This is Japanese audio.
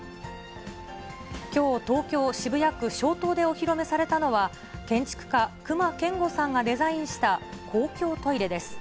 きょう東京・渋谷区松濤でお披露目されたのは、建築家、隈研吾さんがデザインした公共トイレです。